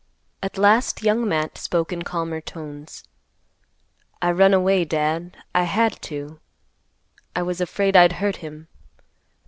At last Young Matt spoke in calmer tones; "I run away, Dad. I had to. I was afraid I'd hurt him.